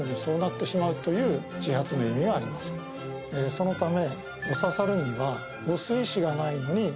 そのため。